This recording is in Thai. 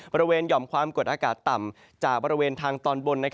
หย่อมความกดอากาศต่ำจากบริเวณทางตอนบน